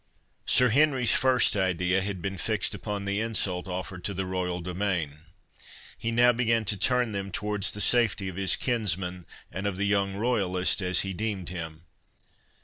Sir Henry Lee's first idea had been fixed upon the insult offered to the royal demesne; he now began to turn them towards the safety of his kinsman, and of the young royalist, as he deemed him.